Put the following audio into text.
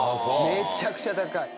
めちゃくちゃ高い。